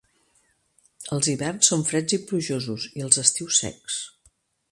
Els hiverns són freds i plujosos i els estius secs.